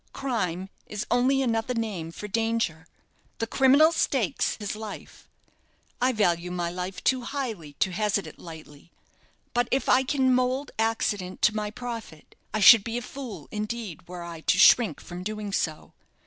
Crime is only another name for danger. The criminal stakes his life. I value my life too highly to hazard it lightly. But if I can mould accident to my profit, I should be a fool indeed were I to shrink from doing so.